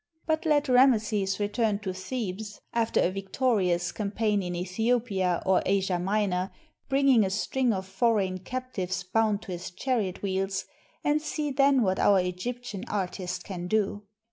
But let Rameses return to Thebes after a victorious campaign in Ethiopia or Asia Minor, bringing a string of foreign captives bound to his chariot wheels, and see then what our Egyptian artist can do!